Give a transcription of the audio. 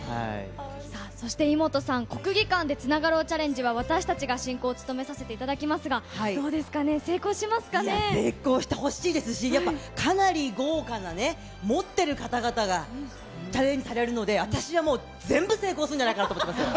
さあ、そしてイモトさん、国技館でつながろうチャレンジは、私たちが進行を務めさせていただきますが、どうですかね、成功しいや、成功してほしいですし、やっぱかなり豪華なね、持ってる方々が、チャレンジされるので、私はもう全部成功するんじゃないかと思ってます。